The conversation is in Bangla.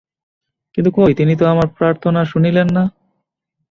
কিন্তু কই, তিনি তো আমার প্রার্থনা শুনিলেন না।